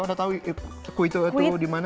udah tau quito itu dimana